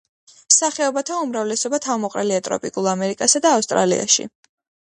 სახეობათა უმრავლესობა თავმოყრილია ტროპიკულ ამერიკასა და ავსტრალიაში.